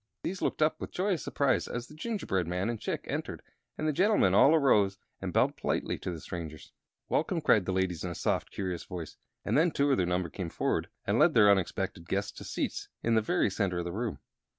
These looked up with joyous surprise as the gingerbread man and Chick entered, and the gentlemen all arose and bowed politely to the strangers. "Welcome!" cried the ladies, in a soft chorus; and then two of their number came forward and led their unexpected guests to seats in the very center of the room.